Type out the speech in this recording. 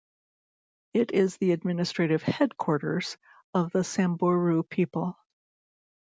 It is the administrative headquarters of the Samburu people.